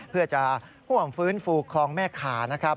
เพื่อจะห่วงฟื้นฟูคลองแม่ขานะครับ